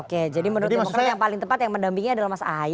oke jadi menurut demokrat yang paling tepat yang mendampingi adalah mas ahy